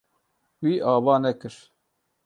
Wî ava nekir.